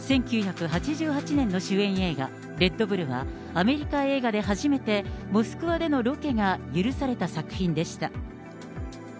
１９８８年の主演映画、レッドブルはアメリカ映画で初めて、モスクワでのロケが許された作品でした。